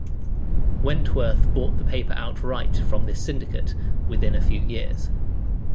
Wentworth bought the paper outright from this syndicate within a few years.